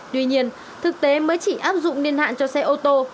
tuy nhiên thực tế mới chỉ áp dụng niên hạn cho xe ô tô